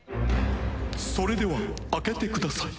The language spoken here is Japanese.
それでは開けてください。